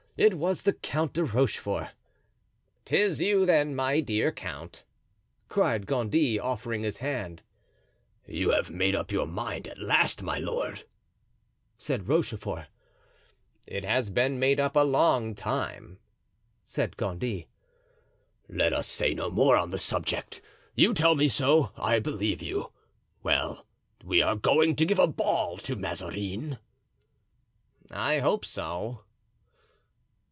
It was the Count de Rochefort. "'Tis you, then, my dear count," cried Gondy, offering his hand. "You have made up your mind at last, my lord?" said Rochefort. "It has been made up a long time," said Gondy. "Let us say no more on the subject; you tell me so, I believe you. Well, we are going to give a ball to Mazarin." "I hope so."